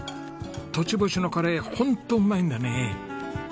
栃星のカレーホントうまいんだね。